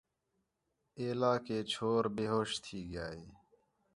ایلا کہ چھور بے ہوش تھی ڳِیا ہِے